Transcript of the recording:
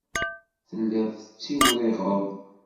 Telliḍ tettiwriɣeḍ.